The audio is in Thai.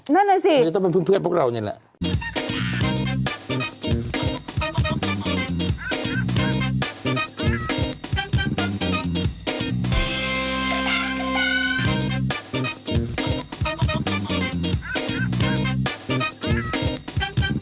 นั่นแหละสิเหมือนจะต้องเป็นเพื่อนพวกเราอย่างนี้แหละนั่นแหละ